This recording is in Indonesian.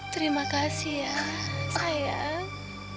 terima kasih ya sayang